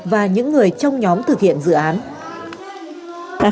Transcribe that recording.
và những người trong nhóm thực hiện dự án